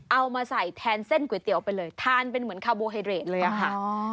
เอามาใส่แทนเส้นก๋วยเตี๋ยวไปเลยทานเป็นเหมือนคาโบไฮเรดเลยอะค่ะ